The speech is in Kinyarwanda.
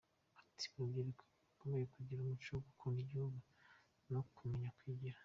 Ati “Urubyiruko rukeneye kugira umuco wo gukunda igihugu no kumenya kwigira.